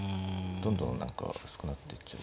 どんどん何か薄くなってっちゃう気がする。